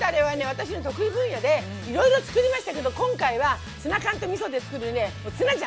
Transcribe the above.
私の得意分野でいろいろ作りましたけど今回はツナ缶とみそで作るねツナジャンをご紹介しますね。